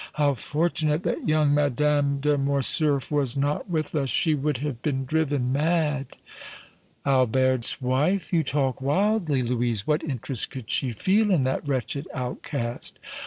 How fortunate that young Madame de Morcerf was not with us! She would have been driven mad!" "Albert's wife? You talk wildly, Louise. What interest could she feel in that wretched outcast?"